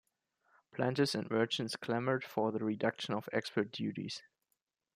Planters and merchants clamoured for a reduction of export duties.